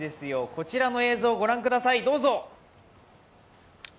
こちらの映像をご覧くださいどうぞ！